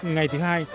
ngày thứ hai